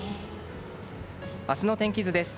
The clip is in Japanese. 明日の天気図です。